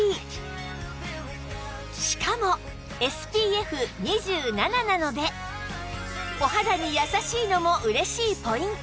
しかも ＳＰＦ２７ なのでお肌にやさしいのも嬉しいポイント